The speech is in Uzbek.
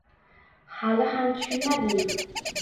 Hali ham tushunmadingmi